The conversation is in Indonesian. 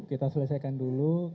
kita selesaikan dulu